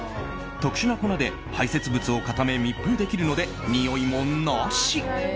特殊な粉で排泄物を固め密封できるので、においもなし。